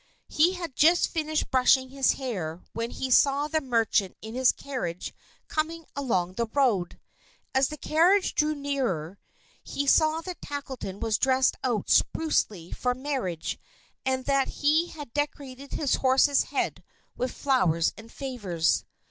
He had just finished brushing his hair when he saw the merchant in his carriage coming along the road. As the carriage drew near he saw that Tackleton was dressed out sprucely for marriage, and that he had decorated his horse's head with flowers and favors.